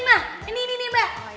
nah ini mbak